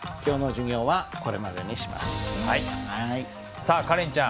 さあカレンちゃん